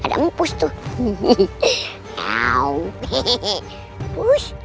ada mumpus tuh